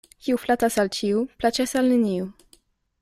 Kiu flatas al ĉiu, plaĉas al neniu.